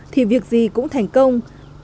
thì việc gì cũng thành công